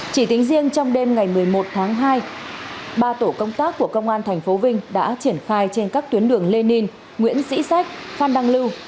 chỉ tính riêng trong đêm ngày một mươi một tháng hai ba tổ công tác của công an tp vinh đã triển khai trên các tuyến đường lê ninh nguyễn sĩ sách phan đăng lưu